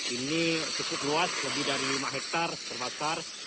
ini cukup luas lebih dari lima hektare terbakar